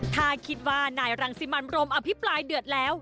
ถ้าคิดว่านายรังสิมันรมอภิปรายเดือดแล้ว